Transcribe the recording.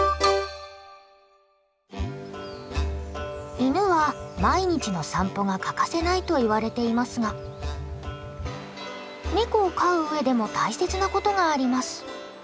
犬は毎日の散歩が欠かせないといわれていますがネコを飼う上でも大切なことがあります。